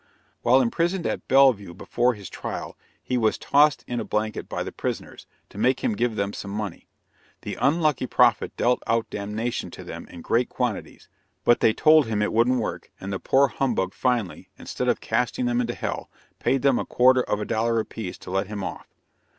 While imprisoned at Bellevue before his trial, he was tossed in a blanket by the prisoners, to make him give them some money. The unlucky prophet dealt out damnation to them in great quantities; but they told him it wouldn't work, and the poor humbug finally, instead of casting them into hell, paid them a quarter of a dollar apiece to let him off.